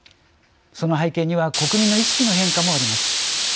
その背景には国民の意識の変化もあります。